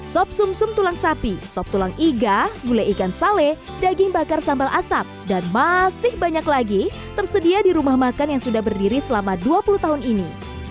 sop sum sum tulang sapi sop tulang iga gulai ikan sale daging bakar sambal asap dan masih banyak lagi tersedia di rumah makan yang sudah berdiri selama dua puluh tahun ini